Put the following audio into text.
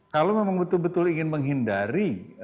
kalau memang betul betul ingin menghindari